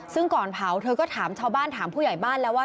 ซึ่งก่อนเผาเธอก็ถามชาวบ้านถามผู้ใหญ่บ้านแล้วว่า